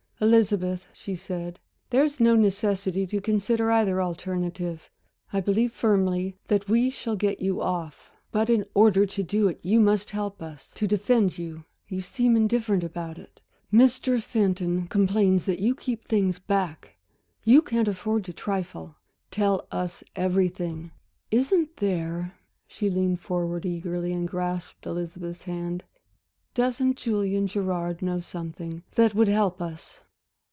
"Elizabeth," she said, "there's no necessity to consider either alternative. I believe firmly that we shall get you off. But in order to do it you must help us to defend you. You seem indifferent about it; Mr. Fenton complains that you keep things back. You can't afford to trifle tell us everything. Isn't there" she leaned forward eagerly and grasped Elizabeth's hand "doesn't Julian Gerard know something that would help us?"